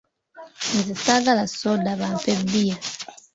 Nze saagala soda bampe bbiya.